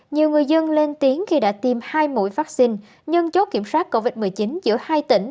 nhiều người dân lên tiếng khi đã tiêm hai mũi vaccine nhân chốt kiểm soát covid một mươi chín giữa hai tỉnh